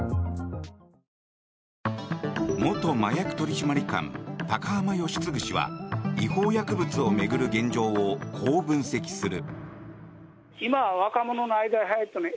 元麻薬取締官、高濱良次氏は違法薬物を巡る現状をこう分析する。